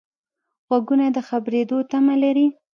غوږونه د خبرېدو تمه لري